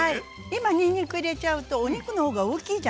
今にんにく入れちゃうとお肉の方が大きいじゃない？